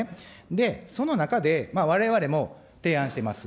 で、その中で、われわれも提案してます。